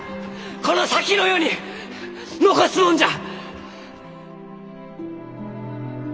この先の世に残すもんじゃ！